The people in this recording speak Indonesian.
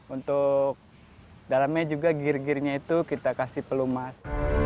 untuk dalamnya juga gear gearnya itu kita kasih pelumas